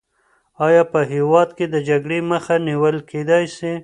آیا په هېواد کې د جګړې مخه نیول کېدای سي؟